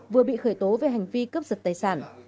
vừa bị khởi tố về hành vi cướp giật tài sản